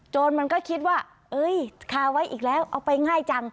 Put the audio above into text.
มันก็คิดว่าเอ้ยคาไว้อีกแล้วเอาไปง่ายจัง